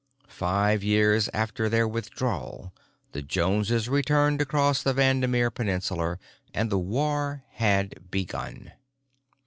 Five years after their withdrawal the Joneses returned across the Vandemeer Peninsula and the war had begun.